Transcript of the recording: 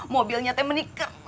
mobilnya teh menikernin pisan bagus